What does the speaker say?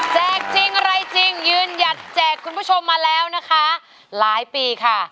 จริงอะไรจริงยืนหยัดแจกคุณผู้ชมมาแล้วนะคะหลายปีค่ะ